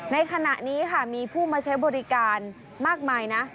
ในขณะนี้ค่ะมีผู้มาใช้บริการมากมายนะ